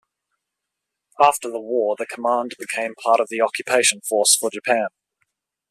After the war the command became part of the occupation force for Japan.